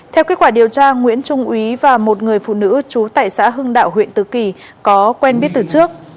theo kết quả điều tra nguyễn trung ý và một người phụ nữ trú tại xã hưng đạo huyện tứ kỳ có quen biết từ trước